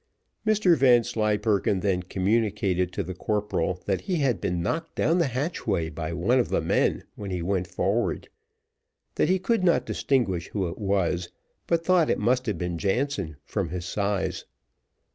Mr Vanslyperken then communicated to the corporal that he had been knocked down the hatchway by one of the men when he went forward; that he could not distinguish who it was, but thought that it must have been Jansen from his size.